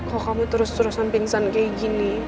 kalo kamu terus terusan pingsan kaya gini